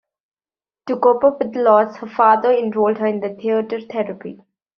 To cope with the loss, her father enrolled her in theater therapy.